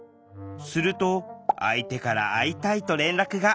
すると相手から「会いたい」と連絡が。